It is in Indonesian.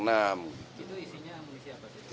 itu isinya munisi apa sih